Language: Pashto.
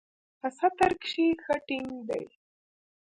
په ستر کښې ښه ټينګ دي.